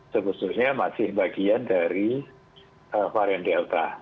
sebetulnya masih bagian dari varian delta